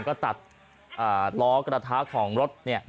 ก็ตัดล้อกระทะของรถ